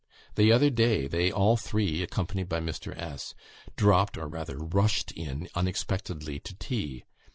The other day, they all three, accompanied by Mr. S., dropped, or rather rushed, in unexpectedly to tea.